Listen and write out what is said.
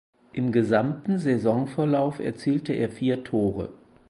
Im gesamten Saisonverlauf erzielte er vier Tore.